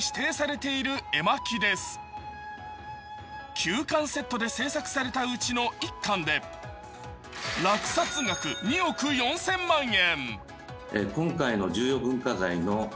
９巻セットで制作されたうちの１巻で落札額２億４０００万円。